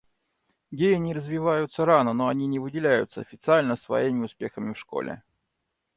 Гении развиваются рано, но они не выделяются официально своими успехами в школе.